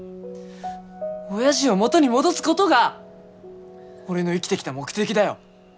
おやじを元に戻すごどが俺の生きてきた目的だよ。